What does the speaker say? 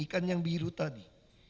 ikan yang biru tadi